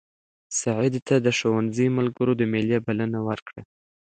سعید ته د ښوونځي ملګرو د مېلې بلنه ورکړه.